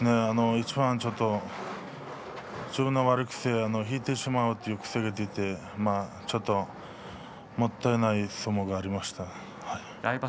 一番ちょっと、自分の悪い癖引いてしまうという癖が出てちょっともったいない相撲がありました。